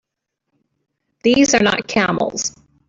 These are not camels!